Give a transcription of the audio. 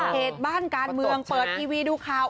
เหตุบ้านการเมืองเปิดทีวีดูข่าว